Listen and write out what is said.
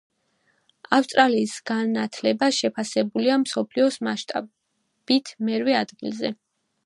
ავსტრალიის განათლება შეფასებულია მსოფლიოს მასშტაბით მერვე ადგილზე.